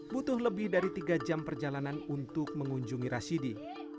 butuh lebih dari tiga jam perjalanan untuk mengunjungi rashidi